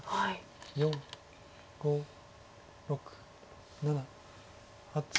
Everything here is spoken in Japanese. ４５６７８。